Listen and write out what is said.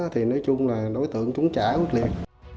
thì nói chung là đối tượng chống trả quyết liệt